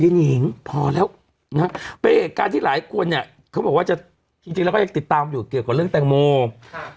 หนิงพอแล้วนะฮะเป็นเหตุการณ์ที่หลายคนเนี่ยเขาบอกว่าจะจริงจริงแล้วก็ยังติดตามอยู่เกี่ยวกับเรื่องแตงโมค่ะ